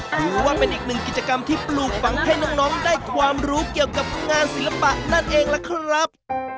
ถือว่าเป็นอีกหนึ่งกิจกรรมที่ปลูกฝังให้น้องได้ความรู้เกี่ยวกับงานศิลปะนั่นเองล่ะครับ